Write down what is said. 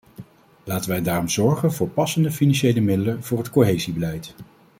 Laten wij daarom zorgen voor passende financiële middelen voor het cohesiebeleid.